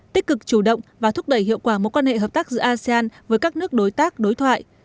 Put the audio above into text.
tích cực chủ động và thúc đẩy hiệu quả mối quan hệ hợp tác giữa asean với các nước đối tác đối thoại